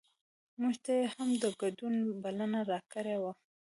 مونږ ته یې هم د ګډون بلنه راکړې وه.